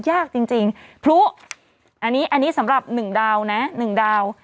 ยากจริงพลุอันนี้อันนี้สำหรับหนึ่งดาวนะหนึ่งดาว